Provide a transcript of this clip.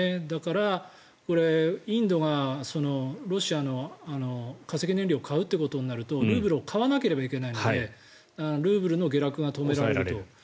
だから、インドがロシアの化石燃料を買うってことになるとルーブルを買わなければいけないのでルーブルの下落が止められると。